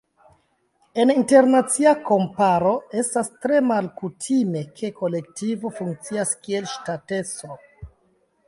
En internacia komparo estas tre malkutime, ke kolektivo funkcias kiel ŝtatestro.